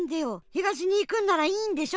東にいくんならいいんでしょ。